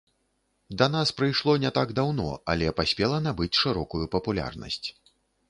Да нас прыйшло не так даўно, але паспела набыць шырокую папулярнасць.